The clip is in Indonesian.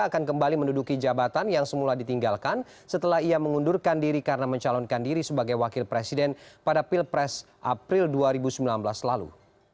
akan kembali menduduki jabatan yang semula ditinggalkan setelah ia mengundurkan diri karena mencalonkan diri sebagai wakil presiden pada pilpres april dua ribu sembilan belas lalu